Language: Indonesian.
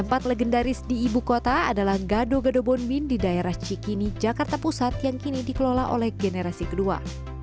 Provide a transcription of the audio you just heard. tempat legendaris di ibu kota adalah gado gado bonbin di daerah cikini jakarta pusat yang kini dikelola oleh generasi kedua